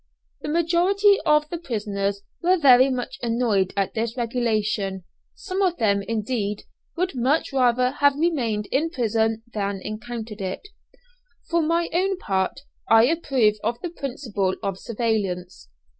The majority of the prisoners were very much annoyed at this regulation, some of them, indeed, would much rather have remained in prison than encounter it. For my own part, I approve of the principle of surveillance.